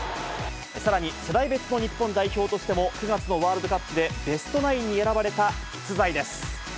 さらに、世代別の日本代表としても、９月のワールドカップでベストナインに選ばれた逸材です。